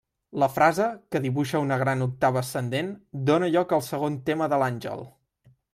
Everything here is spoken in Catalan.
La frase, que dibuixa una gran octava ascendent, dóna lloc al segon tema de l'àngel.